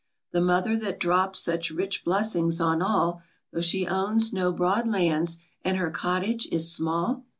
The Mother that drops such rich blessings on all, Though she owns no broad lands, and her cottage is small?